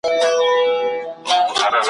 په شپېلۍ د اسرافیل ګوندي خبر سو ,